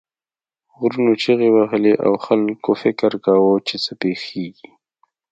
غرونو چیغې وهلې او خلک فکر کاوه چې څه پیښیږي.